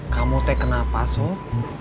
kamu teken apa sob